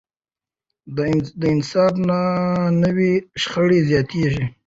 که انصاف نه وي، شخړې زیاتېږي.